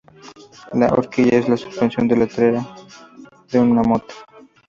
La horquilla es la suspensión delantera de una moto.